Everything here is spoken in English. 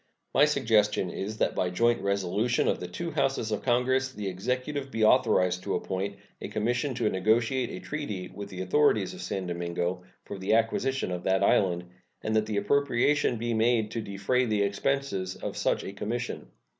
My suggestion is that by joint resolution of the two Houses of Congress the Executive be authorized to appoint a commission to negotiate a treaty with the authorities of San Domingo for the acquisition of that island, and that an appropriation be made to defray the expenses of such a commission.